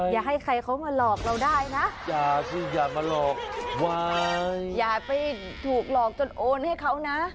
อย่าให้ใครเขามาหลอกเราได้นะอย่าไปถูกหลอกจนโอนให้เขานะ